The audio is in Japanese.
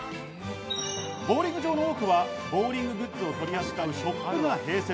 ボウリング場の多くは、ボウリンググッズを取り扱うショップが併設。